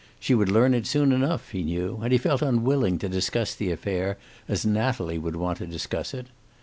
She would learn it soon enough, he knew, and he felt unwilling to discuss the affair as Natalie would want to discuss it.